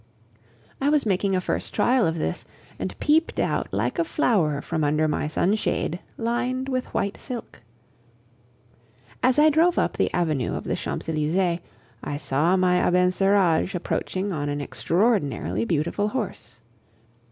I was making a first trial of this, and peeped out like a flower from under my sunshade lined with white silk. As I drove up the avenue of the Champs Elysees, I saw my Abencerrage approaching on an extraordinarily beautiful horse.